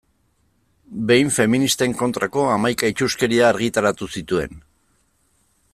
Behin feministen kontrako hamaika itsuskeria argitaratu zituen.